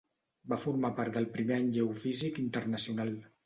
Va formar part del primer Any Geofísic Internacional.